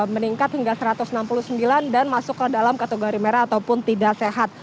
meningkat hingga satu ratus enam puluh sembilan dan masuk ke dalam kategori merah ataupun tidak sehat